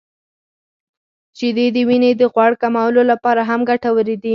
• شیدې د وینې د غوړ کمولو لپاره هم ګټورې دي.